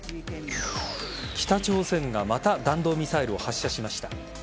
北朝鮮がまた弾道ミサイルを発射しました。